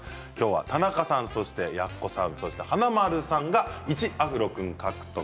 田中さん、奴さん、華丸さんが１アフロ君、獲得。